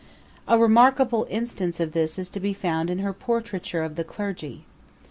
A remarkable instance of this is to be found in her portraiture of the clergy.